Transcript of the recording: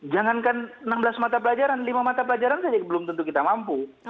jangankan enam belas mata pelajaran lima mata pelajaran saja belum tentu kita mampu